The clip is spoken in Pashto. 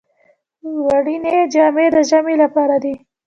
وړینې جامې د ژمي لپاره دي